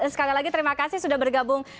sekali lagi terima kasih sudah bergabung